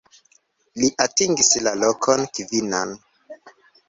Li atingis la lokon kvinan.